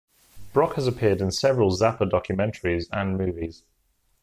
Brock has appeared in several Zappa documentaries and movies.